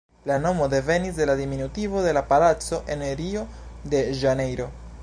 La nomo devenis de la diminutivo de la palaco en Rio-de-Ĵanejro.